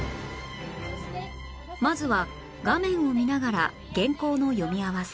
まずは画面を見ながら原稿の読み合わせ